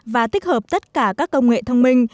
và tích hợp tất cả các công nghệ thông minh